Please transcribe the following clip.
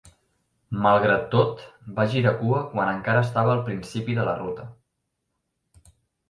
Malgrat tot, va girar cua quan encara estava al principi de la ruta.